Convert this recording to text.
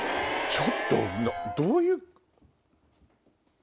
ちょっとどういう。